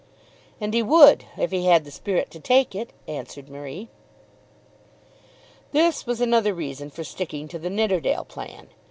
"And he would; if he had the spirit to take it," answered Marie. This was another reason for sticking to the Nidderdale plan.